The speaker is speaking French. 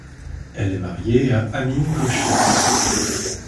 Elle est mariée à Amine Kochlef.